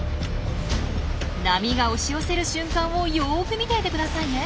波が押し寄せる瞬間をよく見ていてくださいね。